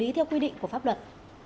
theo quy định của pháp luật